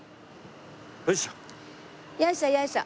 よいしょ。